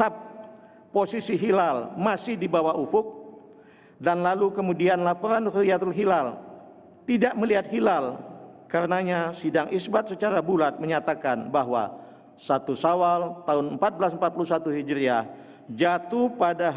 assalamualaikum warahmatullahi wabarakatuh